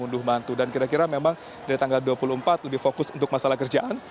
dan kira kira memang dari tanggal dua puluh empat lebih fokus untuk masalah kerjaan